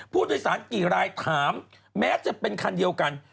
ผู้โดยสารกี่รายถามแม้จะเป็นคันเดียวกัน